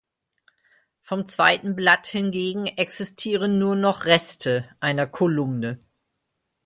Vom zweiten Blatt hingegen existieren nur noch Reste einer Kolumne.